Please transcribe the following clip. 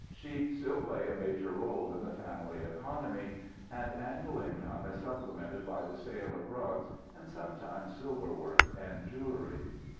Sheep still play a major role in the family economy, and annual income is supplemented by the sale of rugs and, sometimes, silverwork and jewelry.